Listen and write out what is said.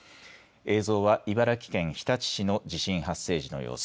映像は茨城県日立市の地震発生時の様子。